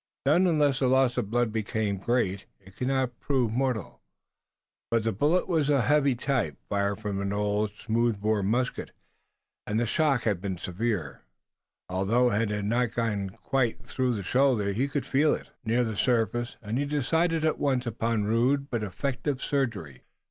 Then, unless the loss of blood became great, it could not prove mortal. But the bullet was of heavy type, fired from the old smoothbore musket and the shock had been severe. Although it had not gone quite through the shoulder he could feel it near the surface, and he decided at once upon rude but effective surgery.